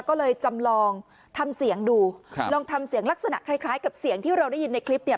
ก็เลยจำลองทำเสียงดูครับลองทำเสียงลักษณะคล้ายคล้ายกับเสียงที่เราได้ยินในคลิปเนี่ย